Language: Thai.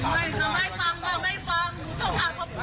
ตอนนี้ถ้าหนูหาเงินหนึ่งหมื่นไม่ได้ลูกหนูติดคุก